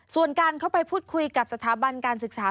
ส่วนการเข้าไปพูดคุยกับสถาบันการศึกษา